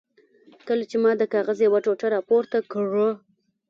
کله چې ما د کاغذ یوه ټوټه را پورته کړه.